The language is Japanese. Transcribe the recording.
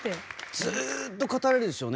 ずっと語られるでしょうね。